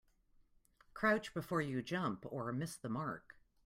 Crouch before you jump or miss the mark.